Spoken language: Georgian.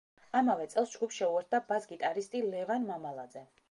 ამავე წელს ჯგუფს შეუერთდა ბას-გიტარისტი ლევან მამალაძე.